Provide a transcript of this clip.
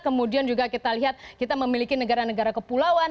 kemudian juga kita lihat kita memiliki negara negara kepulauan